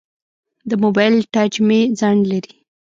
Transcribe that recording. د موبایل ټچ مې ځنډ لري.